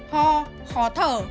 ho khó thở